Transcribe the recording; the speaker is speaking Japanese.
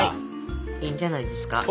いいんじゃないですか。